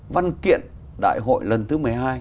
văn kiện đại hội lần thứ một mươi hai